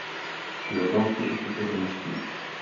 Jeho další osud je nejistý.